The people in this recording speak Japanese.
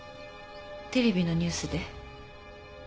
テレビのニュースで。